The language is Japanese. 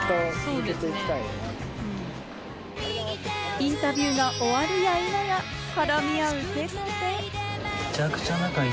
インタビューが終わるやいなや、絡み合う手と手。